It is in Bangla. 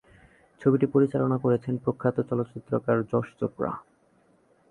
ছবিটি পরিচালনা করেছেন প্রখ্যাত চলচ্চিত্রকার যশ চোপড়া।